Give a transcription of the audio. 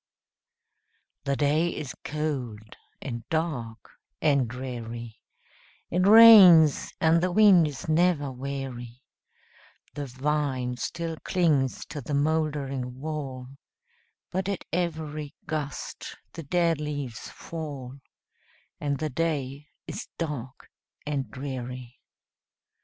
The day is cold, and dark, and dreary; It rains, and the wind is never weary; The vine still clings to the moldering wall, But at every gust the dead leaves fall, And the day is dark and dreary.